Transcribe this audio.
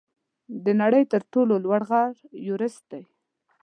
د نړۍ تر ټولو لوړ غر ایورسټ دی.